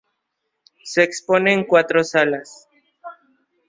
Se exponen en cuatro salas.